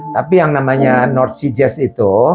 tapi yang namanya north sea jazz itu